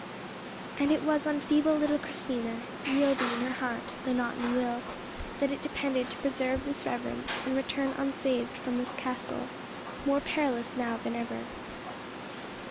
And it was on feeble little Christina, yielding in heart, though not in will, that it depended to preserve this reverence, and return unscathed from this castle, more perilous now than ever.